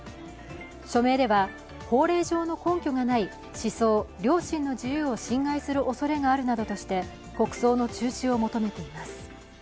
署名では、法令上の根拠がない思想・良心の自由を侵害するおそれがあるなどとして国葬の中止を求めています。